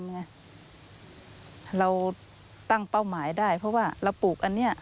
ไงเราตั้งเป้าหมายได้เพราะว่าเราปลูกอันเนี้ย